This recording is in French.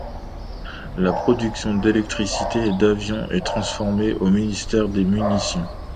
La production d'électricité et d'avions est transféré au ministère des Munitions.